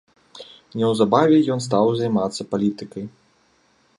Неўзабаве ён стаў займацца палітыкай.